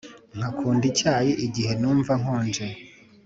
nkakunda icyayi igihe numva nkonje